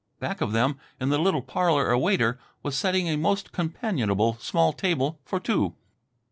Back of them in the little parlour a waiter was setting a most companionable small table for two.